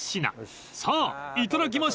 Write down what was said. ［さあいただきましょう！］